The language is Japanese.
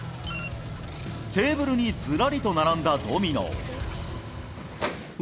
テーブルにずらりと並んだドミノを。